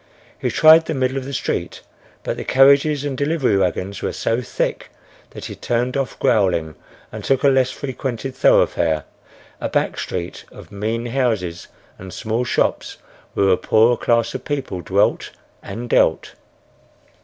He tried the middle of the street; but the carriages and delivery wagons were so thick, that he turned off, growling, and took a less frequented thoroughfare, a back street of mean houses and small shops where a poorer class of people dwelt and dealt.